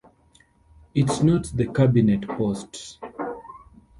It's not the cabinet post.